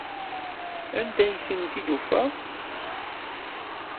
Anda ay ten-id-tufa?